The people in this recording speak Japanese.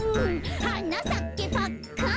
「はなさけパッカン」